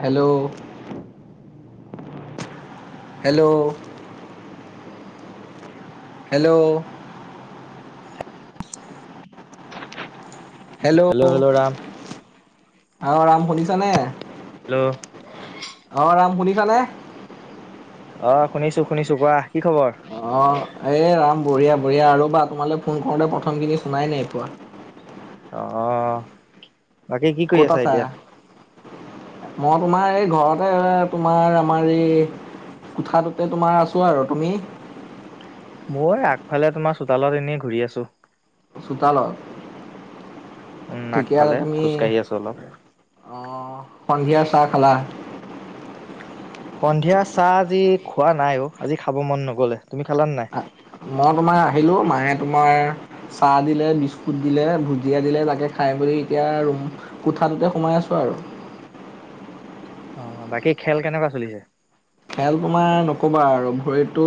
Hello. Hello. Hello. Hello, অ ৰাম শুনিছানে? Hello. হ' ৰাম শুনিছানে? অ' শুনিছো, শুনিছো কোৱা, কি খবৰ? অ। এ ৰাম বঢ়িয়া বঢ়িয়া ৰ'বা তোমালৈ ফোন কৰোঁতে, প্ৰথমখিনি শুনাই নাই পোৱা। অহ। ক'ত আছা? মই তোমাৰ এই ঘৰতে তোমাৰ আমাৰ এই কোঠাটোতে তোমাৰ আছো আৰু তুমি? মই আগফালে তোমাৰ চোতালত এনেই ঘূৰি আছোঁ। চোতালত? উম। ঠিকে আছে আগফালে তুমি খোজকাঢ়ি আছোঁ অলপ। অ', সন্ধিয়া চাহ খালা? সন্ধিয়া চাহ আজি খোৱা নাই অ', আজি খাব মন নগ'লে। তুমি খালা নে নাই? মই তোমাৰ আহিলো, মায়ে তোমাৰ চাহ দিলে, বিস্কুট দিলে, ভুজিয়া দিলে তাকে খাই-বই এতিয়া ৰুম। কোঠাটোতে সোমাই আছোঁ আৰু। অ, বাকী খেল কেনেকুৱা চলিছে? খেল তোমাৰ নক'বা আৰু ভৰিতটো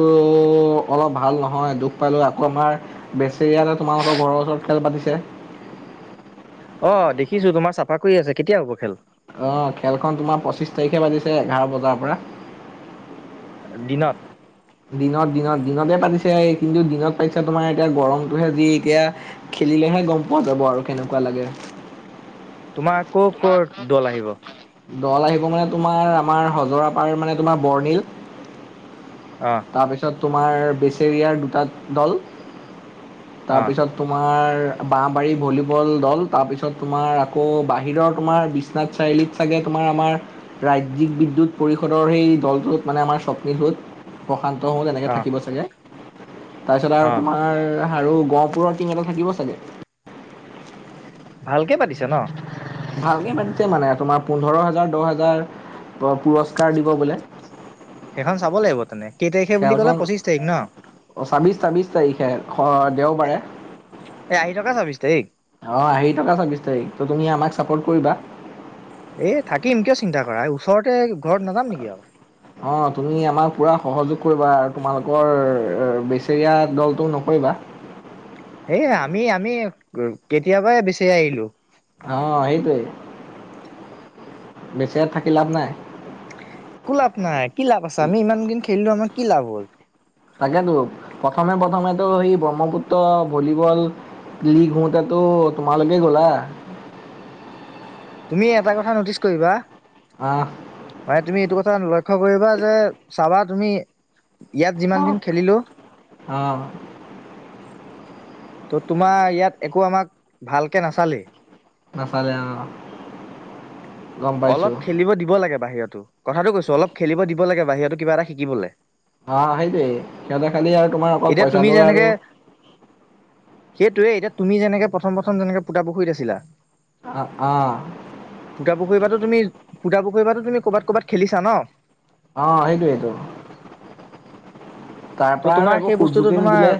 অলপ ভাল নহয় দুখ পালোঁ। আকৌ আমাৰ বেচেৰিয়ালে তোমালোকৰ ঘৰৰ ওচৰত খেল পাতিছে। অ', দেখিছো। তোমাৰ চাফা কৰি আছে। কেতিয়া হ'ব খেল? অ', খেলখন তোমাৰ পঁচিশ তাৰিখে পাতিছে এঘাৰ বজাৰ পৰা। দিনত? দিনত, দিনত, দিনতে পাতিছে কিন্তু দিনত পাতিছে তোমাৰ এতিয়া গৰমটোহে যি এতিয়া। খেলিলেহে গ'ম পোৱা যাব আৰু কেনেকুৱা লাগে। তোমাৰ ক'ৰ ক'ৰ দল আহিব? দল আহিব মানে তোমাৰ, আমাৰ হজৰা পাৰ মানে তোমাৰ বৰ্ণিল। অহ। তাৰপিছত তোমাৰ বেচেৰিয়াৰ দুটা দল। অহ তাৰপিছত তোমাৰ বাঁহবাৰী ভলীবল দল, তাৰপিছত তোমাৰ আকৌ বাহিৰৰ তোমাৰ বিশ্বনাথ চাৰিআলিত চাগে তোমাৰ আমাৰ ৰাজ্যিক বিদ্যুৎ পৰিষদৰ সেই দলটোত মানে আমাৰ স্বপ্নীহ'ত প্ৰশান্তহ'ত এনেকৈ অহ থাকিব চাগে, তাৰপিছত আৰু অহ তোমাৰ আৰু গহপুৰৰ টিম এটা থাকিব চাগে। ভালকে পাতিছে ন? ভালকে পাতিছে মানে, তোমাৰ পোন্ধৰ হাজাৰ, দহ হাজাৰ পুৰস্কাৰ দিব বোলে। সেইখন চাব লাগিব তেন্তে, কেই তাৰিখে বুলি ক'লা পঁচিশ তাৰিখ ন? অ' ছাব্বিছ, ছাব্বিছ তাৰিখে দেওবাৰে। এই আহি থকা ছাব্বিছ তাৰিখ? অ' অহি থকা ছাব্বিছ তাৰিখ? তুমি আমাক ছাপৰ্ট কৰিবা। এ থাকিম, কিয় চিন্তা কৰা ওচৰতে ঘৰত নাযাম নেকি আৰু। অ' তুমি আমাক পূৰা সহযোগ কৰিবা আৰু, তোমালোকৰ বেচেৰীয়া দলটো নকৰিবা। এই আমি, আমি কেতিয়াবাই বেচেৰিয়া এৰিলো। অ' সেইটোৱেই, বেচেৰিয়াত থাকি লাভ নাই। একো লাভ নাই, কি লাভ আছে। আমি ইমান দিন খেলিলো আমাৰ কি লাভ হ'ল? তাকেতো, প্ৰথমে প্ৰথমেতো সেই ব্ৰহ্মপুত্ৰ ভলীবল লীগ হওঁতেটো তোমালকেই গ'লা। তুমি এটা কথা নটিচ কৰিবা। অ'। মানে তুমি এইটো কথা লক্ষ্য কৰিবা যে, চাবা তুমি ইয়াত যিমান অ', দিন খেলিলো অ'। ত' তোমাৰ ইয়াত একো আমাক ভালকে নাচালেই। নচালে অ'। গম পাইছো অলপ খেলিব দিব লাগে বাহিৰতো, কথাটো কৈছো অলপ খেলিব দিব লাগে বাহিৰতো কিবা এটা শিকিবলৈ। অ' সেইটোৱেই, সিহঁতে খালি আৰু তোমাৰ অকল এতিয়া তুমি পইচাটো আৰু সেইটোৱে, এতিয়া তুমি যেনেকৈ প্ৰথম প্ৰথম যেনেকৈ পুতা পুখুৰিত আছিলা? অ', অ'। পুখুৰিপাটো তুমি পোটা পোখুৰিপাটো তুমি ক'বাত ক'বাত খেলিছা ন? অ' সেইটোয়েইটো, তাৰ ত' পৰা আৰু তোমাৰ একো সুযোগে নিদিলে।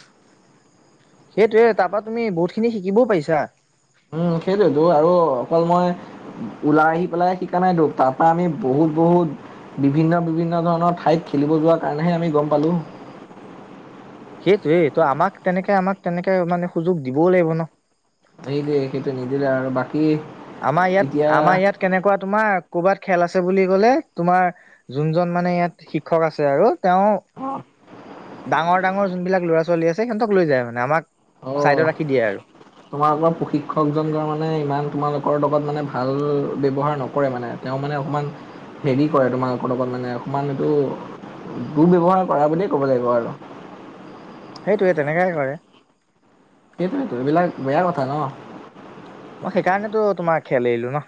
সেইটোৱে, তাৰ পৰা তুমি বহুত খিনি শিকিবও পাৰিছা। উম, সেইটোৱেতো, আৰু অকল মই ওলাই আহি পেলাই শিকা নাই তো, তাৰপা আমি বহুত বহুত বিভিন্ন বিভিন্ন ধৰণৰ ঠাইত খেলিব যোৱাৰ কাৰণেহে আমি গ'ম পালোঁ। সেইটোয়ে, তো আমাক তেনেকে আমাক তেনেকে মানে সুযোগ দিবওঁ লাগিব ন। সেইটোয়ে সেইটো নিদিলে আৰু। বাকী আমাৰ ইয়াত এতিয়া আমাৰ ইয়াত কেনেকুৱা তোমাৰ, ক'বাত খেল আছে বুলি কলে তোমাৰ যোনজন মানে ইয়াত শিক্ষক আছে আৰু। তেওঁ ডাঙৰ ডাঙৰ যোন বিলাক ল'ৰা ছোৱালী আছে সিহঁতক লৈ যায় মানে, আমাক অহ। চাইডত ৰাখি দিয়ে আৰু তোমালোক প্ৰশিক্ষকজন য মানে ইমান তোমালোকৰ লগত মানে ভাল ব্যৱহাৰ নকৰে মানে, তেওঁ মানে অকণমান হেৰি কৰে, তোমালোকক লগত মানে অকণমান এইটো, দূ ব্যৱহাৰ কৰা বুলিয়েই ক'ব লাগিব আৰু। সেইটোৱে তেনেকাই কৰে। সেইটোয়ে, এইবিলাক বেয়া কথা ন। মই সেইকাৰণেতো তোমাৰ খেল এৰিলো ন।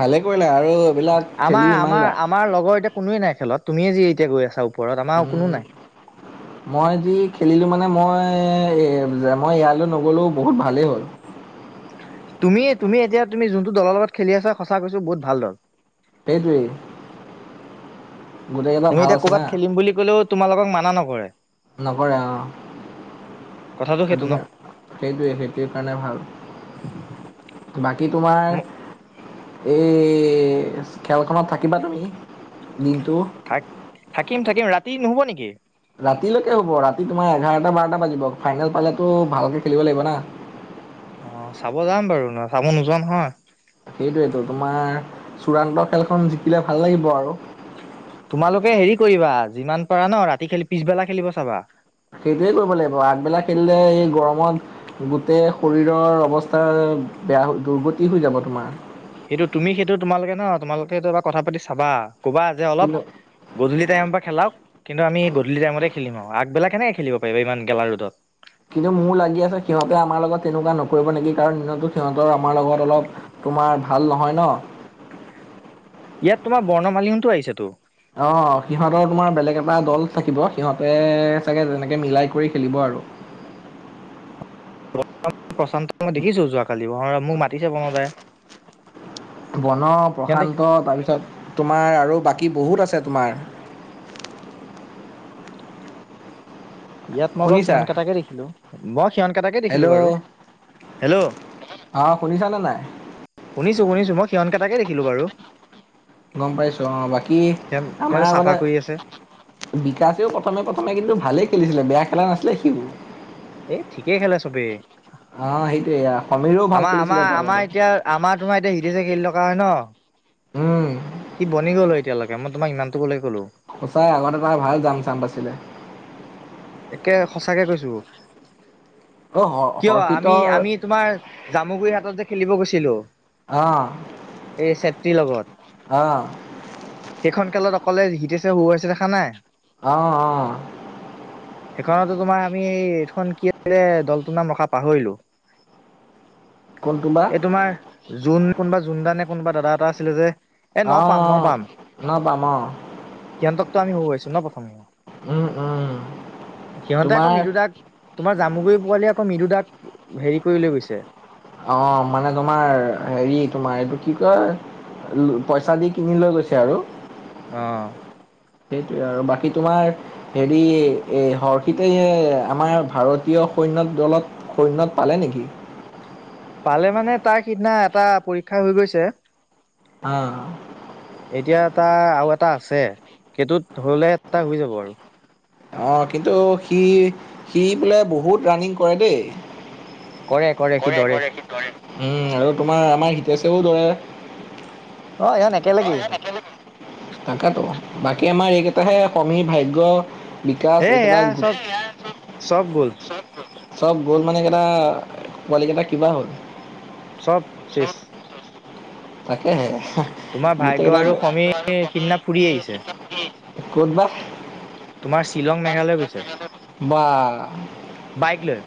ভালে কৰিলে আৰু এইবিলাক আমাৰ খেলি ইমান আমাৰ লা আমাৰ লগৰ এতিয়া কোনোৱে নাই খেলত, তুমিয়ে যি এতিয়া গৈ আছা ওপৰত আমাৰ কোনো নাই। হয় [unintelligible] মই যি খেলিলোঁ মানে মই মই ইয়ালৈ নগ'লো বহুত ভালেই হ'ল। তুমি তুমি এতিয়া তুমি যোনটো দলৰ লগত খেলি আাঁছা সছা বহুত ভাল দল। সেইটোয়ে। তুমি এতিয়া ক'ৰবাত খেলিম বুলি ক'লেও তোমালোকক মানা নকৰে। নকৰে অ কথাটো সেইটো ন সেইটোকাৰনে। সেইটোৱে সেইটোৱে, কাৰণে ভাল বাকী তোমাৰ। এই খেলখনত থাকিবা তুমি দিনটো। থাক থাকিম থাকিম ৰাতি নহব নেকি। ৰাতিলৈকে হ'ব ৰাতি তোমাৰ এঘাৰটা বাৰটা বাজিব, ফাইনেল পালেতো ভালকে খেলিব লাগিব না। অ চাব যাম বাৰু নহ চাব নোযোৱা নহয়। সেইটোৱেতো তোমাৰ চূড়ান্ত খেলখন জিকিলে ভাল লাগিব আৰু। তোমালোকে হেৰি কৰিবা যিমান পাৰা ন ৰাতি খেলি পিছবেলা খেলিব চাবা। সেইটোৱে কৰিব লাগিব আগবেলা খেলিলে এই গৰমত। গোটেই শৰীৰৰ অৱস্থা বেয়া হৈ দুৰ্গতি হৈ যাব তোমাৰ। সেইটো তুমি সেইটো তোমালোকে ন তোমালোকে সেইটো এবাৰ কথা পাতি চাবা কবা যে অলপ, কিন্তু গধূলি টাইম পৰা খেলাওক কিন্তু আমি গধূলি টাইমতে খেলিম আৰু আগবেলা কেনেকে খেলিব পাৰিব ইমান গেলা ৰদত। কিন্তু মোৰ লাগি আছে সিহঁতে আমাৰ লগত তেনেকুৱা নকৰিব নেকি কাৰণ দিনতো সিহঁতৰ আমাৰ লগত অলপ। তোমাৰ ভাল নহয় ন। ইয়াত তোমাৰ বৰ্ণমালিনতো আহিছেতো। অ' সিহঁতৰ তোমাৰ বেলেগ এটা দল থাকিব, সিহঁতে চাগে যেনেকে মিলাই কৰি খেলিব আৰু। প্ৰশান্ত মই দেখিছো যোৱাকালি, হয় মোক মাতিছে মঙলবাৰে। বন প্ৰশান্ত তাৰপিছত তোমাৰ আৰু বাকী বহুত আছে তোমাৰ। ইয়াত মই বাৰু শুনিছা সিহত কিটাকে দেখিলো, মই সিহত কিটাকে দেখিলোঁ হেল্ল' বাৰু, হেল্ল'। অঁ শুনিছানে নাই। শুনিছো, শুনিছো, মই সিহত কেইটাকে দেখিলো বাৰু। গম পাইছো অ, বাকী আমাৰ সিহঁত চাফা আগতে, কৰি আছে বিকাশেও প্ৰথমে প্ৰথমে কিন্তু ভালেই খেলিছিলে, বেয়া খেলা নাছিলে সিও। এই ঠিকেই খেলে চবেই, অ' সেইটোয়ে সমীৰেও ভাল আমাৰ আমাৰ খেলিছিলেতো আগতে। আমাৰ এতিয়া আমাৰ তোমাৰ এতিয়া হিতেশ্বে খেলি থকা হয় ন। উম, সি বনি গল হয় এতিয়ালৈকে, মই তোমাক ইমানটো লৈকে ক'লো। সঁচাই, আগতে তাৰ ভাল জাম চাম পাইছিলে। একে সঁচাকে কৈছো। [inaudible] কিয় আমি, হৰ্ষিতৰ আমি তোমাৰ জামুগুৰি হাটত যে খেলিব গৈছিলো। অ'। এই চেত্ৰী লগত। অ'। সেইখন খেলত অকলে হীতেশে হৰুৱাইছে দেখা নাই। অ', অ'। সেইখনতো তোমাৰ আমি, এইখন কি আছিলে দলটোৰ নাম ৰখা পাহৰিলো। কোনটো বা এই তোমাৰ জোন কোনোবা জোনদা নে কোনোবা দাদা এটা আছিলে যে। ন অ', পাম ন অ', ন-পাম অ'। সিয়তক‌টো আমি হওৱাইছো ন প্ৰথমে। উ, উ। সিহঁতে আকৌ মৃদুদাক, তোমাৰ জামুগুৰি পোৱালীয়ে আকৌ মৃদুদাক, হেৰি কৰি লৈ গৈছে। অ', মানে তোমাৰ হেৰি, তোমাৰ এইটো কি কয়। পইচা দি কিনি লৈ গৈছে আৰু। অ'। সেইটোৱে আৰু বাকী তোমাৰ? হেৰি এ, হৰ্ষিতে আমাৰ ভাৰতীয় সৈন্য দলত সৈন্যত পালে নেকি? পালে মানে তাৰ সিদিনা এটা পৰীক্ষা হৈ গৈছে। অ'। এতিয়া তা আৰু এটা আছে, সেইটোত হ'লে তা হৈ যাব আৰু। অ', কিন্তু সি, সি বোলে বহুত ৰাণিং কৰে দেই। কৰে সি কৰে দৰে কৰে, সি দৌৰে। উম, আৰু তোমাৰ আমাৰ হিতেশেও দৌৰে। অ', এয়া নে অ', এইয়া নেখেলে, তাকেতো, বাকী আমাৰ এইকেইটাহে সমীৰ, ভাগ্য। বিকাশ হে একেটা‌‌ সেয়া গু চব চব গ'ল [unintelligible] চব গ'ল মানে এই কেইটা পোৱালি কিটা কিবা হ'ল? চব শেষ। তাকেহে। তোমাৰ গোটেই ভাগ্য কেইটা আৰু সমীৰ সিদিনা ফুৰি আহিছে [unintelligible] ক'ত বা? তোমাৰ শ্বিলং মেঘালয় গৈছে [unintelligible] বাহ। বাইক লৈ।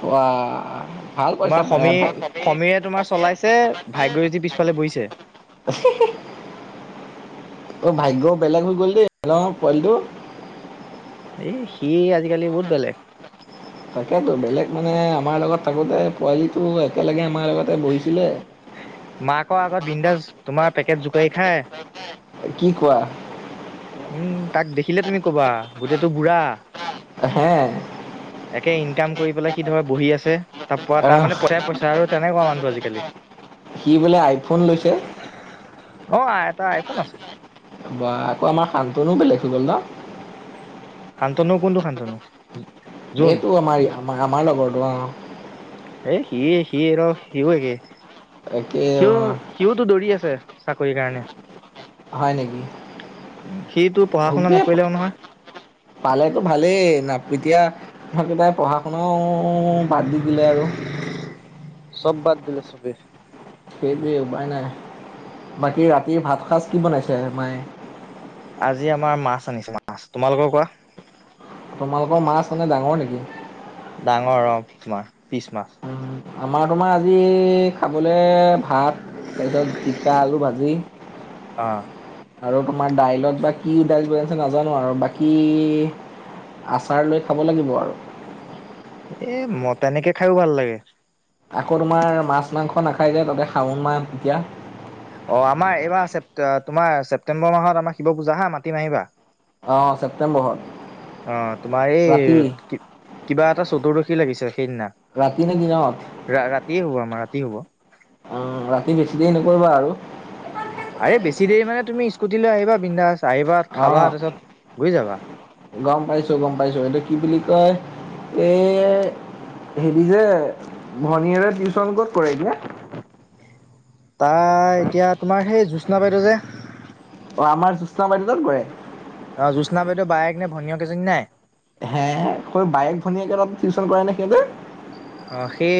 ওৱা। তোমাৰ সমীৰ, সমীৰে তোমাৰ চলাইছে, ভাগ্যয়ে যি পিছফালে বহিছে। অ', ভাগ্য বেলেগ হৈ গ'ল দেই, ন পোৱালিটো। এই, সি আজিকালি বহুত বেলেগ। তাকেতো, বেলেগ মানে আমাৰ লগত থাকোতে পোৱালিটো একেলগে আমাৰ লগতে বহিছিলে। মাকৰ আগত বিন্দাছ তোমাৰ পেকেট জোকাৰি খায়। কি কোৱা। উম, তাক দেখিলে তুমি কবা, গোটেটো বুঢ়া। সঁচা। একে ইনকাম কৰি পেলাই সি ধৰ বহি আছে, তাৰ পৰা তাৰ আহ মানে পইচাই পইচা আৰু তেনেকুৱা মানুটো আজিকালি। সি বোলে আইফোন লৈছে। অ', এটা আইফোন আছে। বা আকৌ আমাৰ শান্তনো বেলেগ হৈ গ'ল ন? শান্তনু কোনটো শান্তনু? জোন সেইটো আমাৰ ই আমাৰ আমাৰ লগৰটো অ। সেই সি সি ৰ সিও একে একে অ সিও সিওতো দৌৰি আছে চাকৰিৰ কাৰণে। হয় নেকি? উম সিটো পঢ়া হওক শুনা দে নকৰিলেও নহয়। পালেতো ভালেই নাপ এতিয়া থাকিবাই পঢ়া শুনাও বাদ দি দিলে আৰু। চব বাদ দিলে চবে। সেইটোৱেই উপায় নাই, বাকী ৰাতিৰ ভাতসাঁজ কি বনাইছে মায়ে। আজি আমাৰ মাছ আনিছে মাছ তোমালোকৰ কোৱা। তোমালোকৰ মাছ মানে ডাঙৰ নেকি? ডাঙৰ অ তোমাৰ পিছ মাছ। উম আমাৰ তোমাৰ আজি খাবলে ভাত তাৰপিছত জিকা আলু ভাজি। অ আৰু তোমাৰ দাইলত বা কি দাইল বৈ আছে নাজানো আৰু বাকী আচাৰ লৈ খাব লাগিব আৰু। এ মই তেনেকে খাইয়ো ভাল লাগে। আকৌ তোমাৰ মাছ মাংস নাখায় যে তাতে শাওন মাহ এতিয়া। অ আমাৰ এইবাৰ তোমাৰ ছেপ্তেম্বৰ মাহত আমাৰ শিৱ পূজা হা মাটিম আহিবা। অঁহ ছেপ্তেম্বৰত? অহ তোমাৰ এই কি কিবা এটা চতুৰ্দশী লাগিছে সেইদিনা, ৰাতি নে দিনত ৰা-ৰাতিয়ে হব আমাৰ ৰাতি হব। অহ ৰাতি বেছি দেৰি নকৰিবা আৰু। আৰে বেছি দেৰি মানে তুমি স্কুটিলৈ আহিবা বিন্ধাছ আহিবা খাবা অ', তাৰপিছত ঘূৰি যাবা। গম পাইছো গম পাইছো এইটো কি বুলি কয় এই হেৰি যে ভনীয়েৰে টিউচন ক'ত কৰে এতিয়া? তাই এতিয়া তোমাৰ সেই জ্বোৎস্না বাইদেউ যে অ আমাৰ জ্বোৎস্না বাইদেউ তাত কৰে? অ জ্বোৎস্না বাইদেউ বায়েক নে ভনিয়েক এজনী নাই? হে কৈ বায়েক ভনীয়েকেৰ তাত টিউশন কৰা নে সিহতে। অহ সেই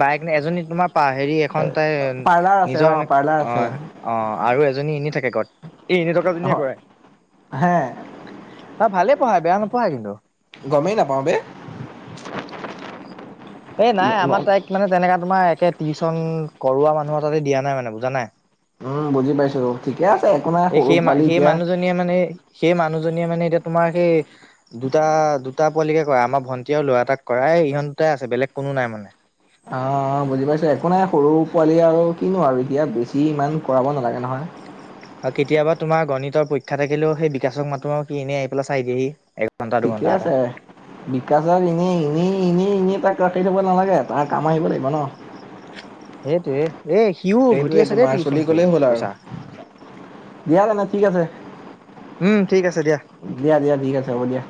বাইক নে এজনী তোমাৰ হেৰি এখন তাই পাৰ্লাৰ আছে নিজৰ এনে অ', পাৰ্লাৰ অ আছে অ আৰু এজনী এনে থাকে ঘৰত। এ এনেই থকা জনীয়ে অ', কৰে। হে? অহ ভালে পঢ়াই বেয়া নপঢ়াই কিন্তু। গমে নাপাওঁ বে। এই নাই আমাৰ তাইক মানে তেনেকা তোমাৰ একে টিউশন কৰোৱা মানুহৰ তাতে দিয়া নাই মানে বুজা নাই। উম বুজি পাইছোঁ ঠিকে আছে একো নাই এই সৰু সেই পোৱালি সেই এতিয়া। মানুহজনীয়ে মানে সেই মানুহজনীয়ে মানে এতিয়া তোমাৰ সেই দুটা দুটা পোৱালিকে কৰাই আমাৰ ভন্টি আৰু ল'ৰা এটাক কৰাই ইহত দুটাই আছে বেলেগ কোনো নাই মানে। অঁ বুজি পাইছোঁ একো নাই সৰু পোৱালি আৰু কিনো আৰু এতিয়া বেছি ইমান কৰাব নালাগে নহয়। আৰু কেতিয়াবা তোমাৰ গণিতৰ পৰীক্ষা থাকিলেও সেই বিকাশক মাতো আৰু সি এনে আহি পেলাই চাই দিয়েহি। এঘণ্টা ঠিকে দুঘণ্টা এটা আছে। বিকাশ দা এনেই এনেই এনে এনেই তাক ৰাখি থব নালাগে তাৰ কাম আহিব লাগিব ন সেইটো এ সিও ঘটি সেইটোৱে আছে দেই তোমাৰ চলি টিউচন কৰি গ'লেই হ'ল আৰু পইচা দিয়া তেনে ঠিক আছে উম ঠিক আছে দিয়া দিয়া দিয়া ঠিক আছে হ'ব দিয়া